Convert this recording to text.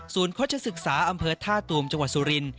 โฆษศึกษาอำเภอท่าตูมจังหวัดสุรินท